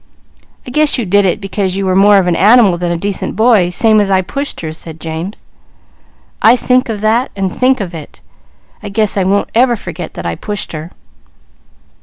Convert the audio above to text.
"I guess you did it because you were more of an animal than a decent boy, same as I pushed her," said James. "I guess I won't ever forget that I pushed her."